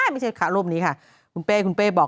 ไม่ใช่พระรูปนี้ค่ะคุณเป้คุณเป้บอก